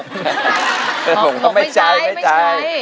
บอกว่าไม่ใช้ไม่ใช้